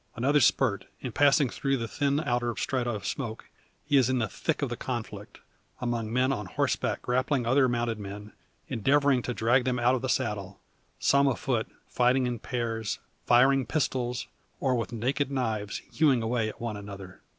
Another spurt, and, passing through the thin outer strata of smoke, he is in the thick of the conflict among men on horseback grappling other mounted men, endeavouring to drag them out of the saddle some afoot, fighting in pairs, firing pistols, or with naked knives, hewing away at one another!